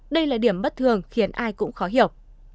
đây là điểm bất thường khiến ai cũng khó hiểu